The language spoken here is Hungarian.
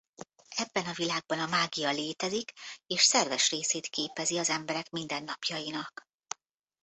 Ebben a világban a mágia létezik és szerves részét képezi az emberek mindennapjainak.